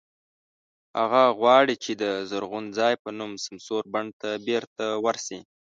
هغه غواړي چې د "زرغون ځای" په نوم سمسور بڼ ته بېرته ورشي.